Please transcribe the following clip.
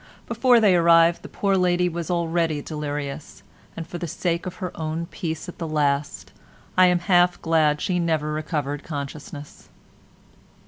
Before they arrived the poor lady was already delirious, and for the sake of her own peace at the last I am half glad she never recovered consciousness.